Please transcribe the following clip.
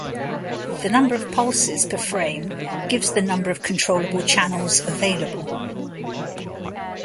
The number of pulses per frame gives the number of controllable channels available.